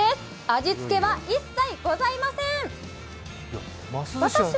味つけは一切ございません。